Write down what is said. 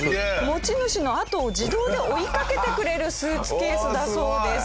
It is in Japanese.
持ち主のあとを自動で追いかけてくれるスーツケースだそうです。